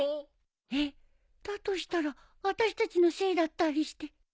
えっだとしたら私たちのせいだったりして。